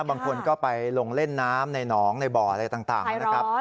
บางคนก็ไปลงเล่นน้ำในหนองในบ่ออะไรต่างนะครับ